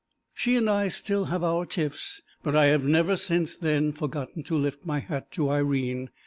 She and I still have our tiffs, but I have never since then forgotten to lift my hat to Irene.